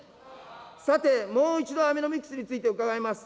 さて、もう一度アベノミクスについて伺います。